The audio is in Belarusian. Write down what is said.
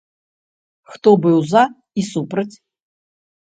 Хто быў за і супраць?